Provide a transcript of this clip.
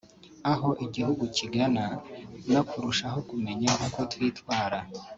aho igihugu kigana no kurushaho kumenya uko twitwara